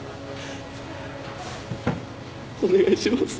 お願いします。